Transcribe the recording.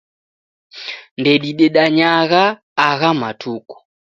Ndedidedanyagha agha matuku